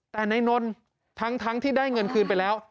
แต่นายนนท์ทั้งที่ได้เงินคืนไปแล้ว